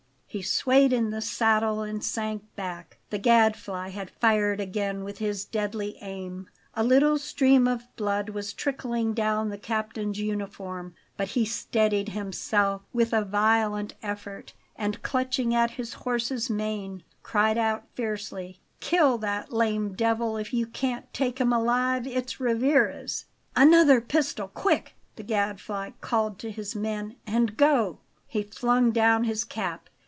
He swayed in the saddle and sank back; the Gadfly had fired again with his deadly aim. A little stream of blood was trickling down the captain's uniform; but he steadied himself with a violent effort, and, clutching at his horse's mane, cried out fiercely: "Kill that lame devil if you can't take him alive! It's Rivarez!" "Another pistol, quick!" the Gadfly called to his men; "and go!" He flung down his cap.